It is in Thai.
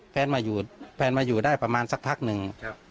แฟนมาอยู่ได้ประมาณสักพักหนึ่ง